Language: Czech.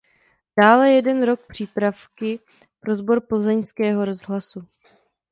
Dále jeden rok přípravky pro sbor Plzeňského rozhlasu.